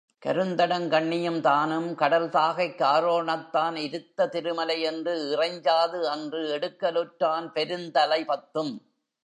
கருந்தடங் கண்ணியும் தானும் கடல் தாகைக் காரோணத்தான் இருத்த திருமலை என்று இறைஞ்சாது அன்று எடுக்கலுற்றான் பெருந்தலை பத்தும்.